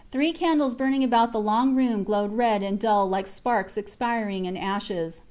Three candles burning about the long room glowed red and dull like sparks expiring in ashes.